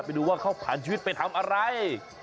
ไปดูว่าเขาผ่านชีวิตไปทำอะไร